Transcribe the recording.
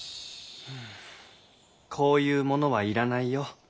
こういうものは要らないよ。